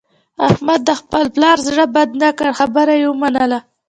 احمد د خپل پلار زړه بد نه کړ، خبره یې ومنله.